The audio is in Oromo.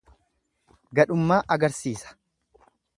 Gadhummaa agarsiisa.